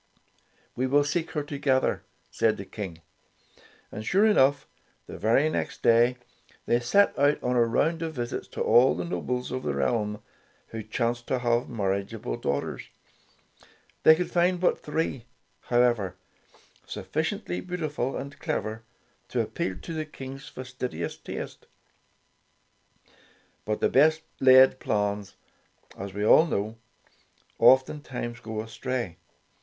"We will seek her together," said the King. And sure enough, the very next day they set out on a round of visits to all the 28 Tales of Modern Germany nobles of the realm who chanced to have marriageable daughters. They could find but three, however, sufficiently beautiful and clever to appeal to the King's fastidious taste. But the best laid plans, as we all know, oftentimes go astray.